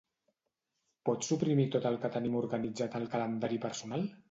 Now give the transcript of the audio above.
Pots suprimir tot el que tenim organitzat al calendari personal?